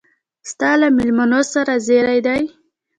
ستا له مېلمنو سره زېري دي.